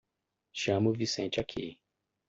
Chame o Vicente aqui!